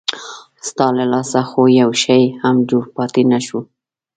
ستا له لاسه خو یو شی هم جوړ پاتې نه شو.